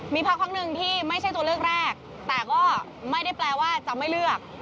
มีพักครั้งหนึ่งที่ไม่ใช่ตัวเลือกแรกแต่ก็ไม่ได้แปลว่าจะไม่เลือก